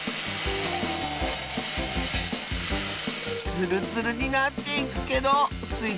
ツルツルになっていくけどスイ